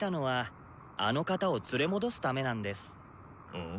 うん？